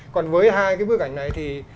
còn với hai cái bức ảnh này thì